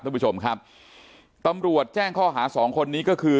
ท่านผู้ชมครับตำรวจแจ้งข้อหาสองคนนี้ก็คือ